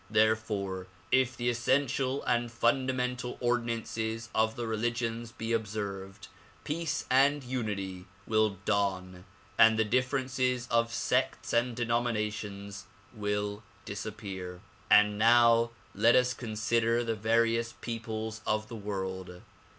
Therefore if the essential and fundamental ordinances of the religions be observed, peace and unity will dawn and all the differences of sects and denominations will disappear. And now let us consider the various peoples of the world.